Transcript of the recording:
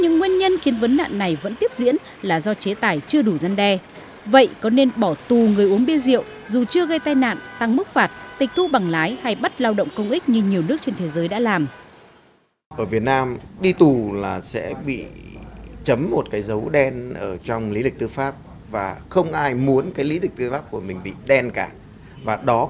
những nạn nhân khi đến bệnh viện vì tai nạn giao thông thì tỷ lệ tử vong cao